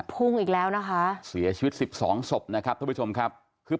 มีภูมิอีกแล้วนะคะเสียชีวิต๑๒ศพนะครับท่านผู้ชมครับ